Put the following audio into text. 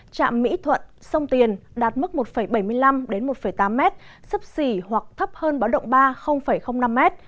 trạm mỹ thuận sông tiền đạt mức một bảy mươi năm một tám m sấp xỉ hoặc thấp hơn báo động ba năm m